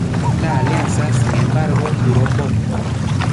La alianza, sin embargo, duró poco.